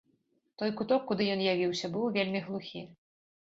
Той куток, куды ён явіўся, быў вельмі глухі.